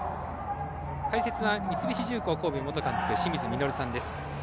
解説は三菱重工神戸元監督の清水稔さんです。